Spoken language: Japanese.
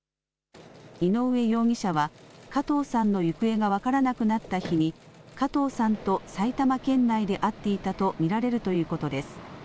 井上容疑者は加藤さんの行方が分からなくなった日に、加藤さんと埼玉県内で会っていたと見られるということです。